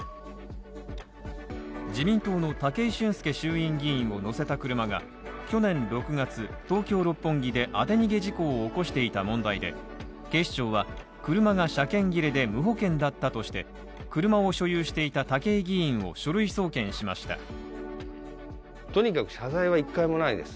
自民党の武井俊輔衆院議員を乗せた車が、去年６月、東京・六本木で当て逃げ事故を起こしていた問題で、警視庁は、車が車検切れで無保険だったとして、車を所有していた武井議員を書類送検しました。